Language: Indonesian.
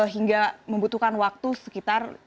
hingga membutuhkan waktu sekitar